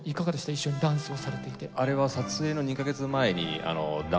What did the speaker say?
一緒にダンスをされていて。